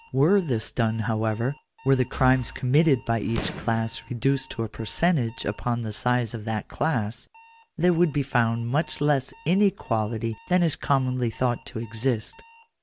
Were this done, however — were the crimes committed by each class reduced to a per centage upon the size of that class, there would be found much less inequality than is commonly thought to exist.